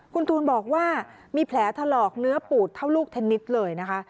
คุณตูนบอกว่ามีแผลถลอกเนื้อปูดเท่าลูกเทนนิสเลยนะคะ